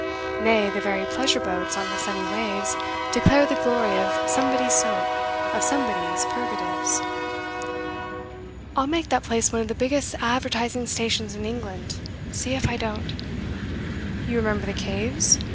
Nay, the very pleasure boats on the sunny waves declared the glory of somebody's soap, of somebody's purgatives. 'I'll make that place one of the biggest advertising stations in England see if I don't! You remember the caves?